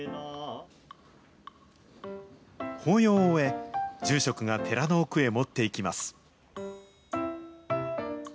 法要を終え、住職が寺の奥へ持っていきます。